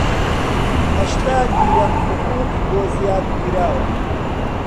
هەشتا لیرەم حقووق بۆ زیاد کراوە